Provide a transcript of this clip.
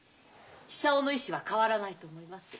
久男の意志は変わらないと思いますよ。